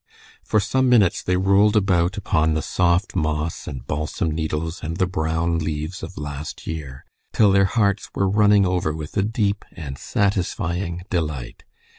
For some minutes they rolled about upon the soft moss and balsam needles and the brown leaves of last year, till their hearts were running over with a deep and satisfying delight.